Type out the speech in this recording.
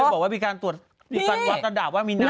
เคยบอกว่ามีการตรวจวัดกระดาษว่ามีน้ำ